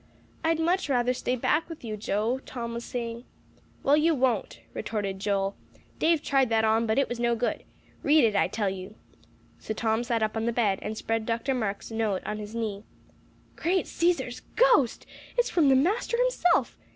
"I'd much rather stay back with you, Joe," Tom was saying. "Well, you won't," retorted Joel. "Dave tried that on, but it was no good. Read it, I tell you." So Tom sat up on the bed, and spread Dr. Marks' note on his knee. "Great Cæsar's ghost! It's from the master himself!